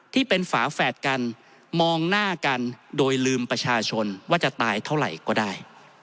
ฝาแฝดกันมองหน้ากันโดยลืมประชาชนว่าจะตายเท่าไหร่ก็ได้